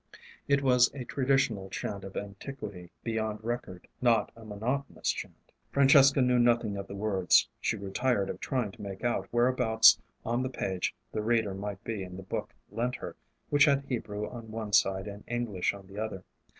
It was a traditional chant of antiquity beyond record not a monotonous chant. Francesca knew nothing of the words; she grew tired of trying to make out whereabouts on the page the Reader might be in the book lent her, which had Hebrew on one side and English on the other.